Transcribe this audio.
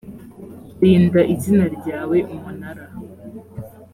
rinda izina ryawe umunara